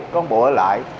cón bộ ở lại